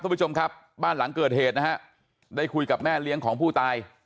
คุณผู้ชมครับบ้านหลังเกิดเหตุนะฮะได้คุยกับแม่เลี้ยงของผู้ตาย